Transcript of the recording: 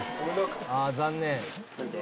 「ああ残念」